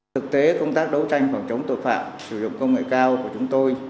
thực tế công tác đấu tranh phòng chống tội phạm sử dụng công nghệ cao của chúng tôi